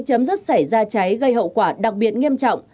chấm dứt xảy ra cháy gây hậu quả đặc biệt nghiêm trọng